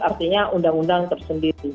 artinya undang undang tersendiri